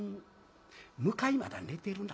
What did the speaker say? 向かいまだ寝てるな」。